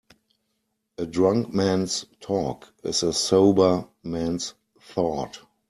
A drunk man's talk is a sober man's thought.